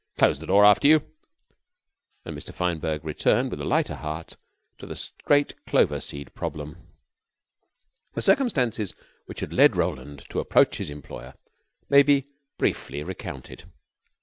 Close the door after you." And Mr. Fineberg returned with a lighter heart to the great clover seed problem. The circumstances which had led Roland to approach his employer may be briefly recounted.